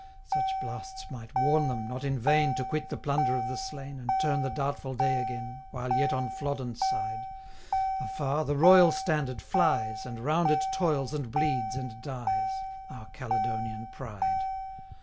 Such blasts might warn them, not in vain, 1005 To quit the plunder of the slain, And turn the doubtful day again, While yet on Flodden side, Afar, the Royal Standard flies, And round it toils, and bleeds, and dies, 1010 Our Caledonian pride!